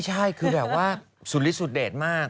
ใช่คือแบบว่าสุริสุดเดชมาก